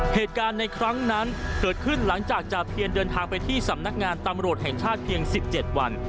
เหตุการณ์ในครั้งนั้นเกิดขึ้นหลังจากจาเพียรเดินทางไปที่สำนักงานตำรวจแห่งชาติเพียง๑๗วัน